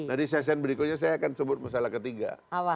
jadi saya akan sebut masalah ketiga